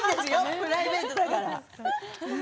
プライベートだから。